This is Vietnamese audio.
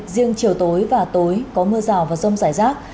riêng chiều tối và tối có mưa rào và rông rải rác